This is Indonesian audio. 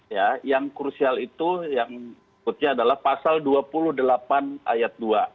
ya yang krusial itu yang berikutnya adalah pasal dua puluh delapan ayat dua